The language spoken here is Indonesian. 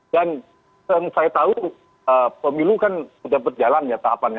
dan yang saya tahu pemilu kan sudah berjalan ya tahapannya